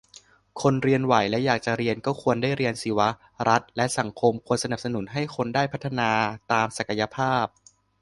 คนเรียนไหวและอยากจะเรียน ก็ควรได้เรียนสิวะ รัฐและสังคมควรสนับสนุนให้คนได้พัฒนาตามศักยภาพ